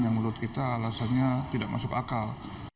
yang menurut kita alasannya tidak masuk akal